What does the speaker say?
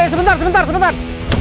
iya sebentar sebentar sebentar